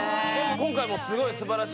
今回もすごい。